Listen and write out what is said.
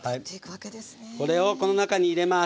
これをこの中に入れます。